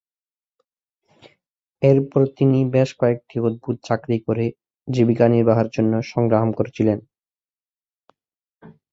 এরপর তিনি বেশ কয়েকটি অদ্ভুত চাকরি করে জীবিকা নির্বাহের জন্য সংগ্রাম করেছিলেন।